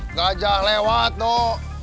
nggak jahat lewat dok